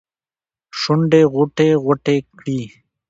شونډې غوټې ، غوټې کړي